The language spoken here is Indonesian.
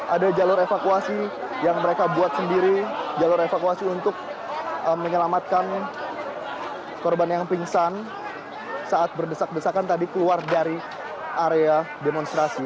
ada jalur evakuasi yang mereka buat sendiri jalur evakuasi untuk menyelamatkan korban yang pingsan saat berdesak desakan tadi keluar dari area demonstrasi